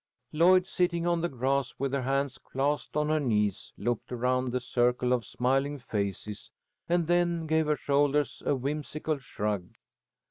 Lloyd, sitting on the grass with her hands clasped on her knees, looked around the circle of smiling faces, and then gave her shoulders a whimsical shrug.